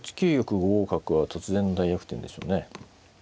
５五角は突然大逆転でしょうね。